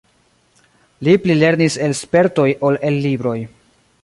Li pli lernis el spertoj ol el libroj.